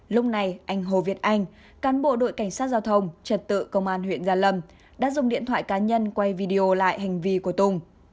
lúc này anh hồ việt anh cán bộ đội cảnh sát giao thông trật tự công an huyện gia lâm đã dùng điện thoại cá nhân quay video lại hành vi của tùng